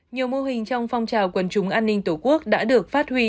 nhiều mô hình trong phong trào quần chúng an ninh tổ quốc đã được phát huy